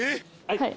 はい。